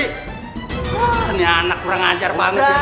ini anak kurang ajar banget sih